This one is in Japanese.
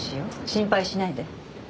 心配しないで。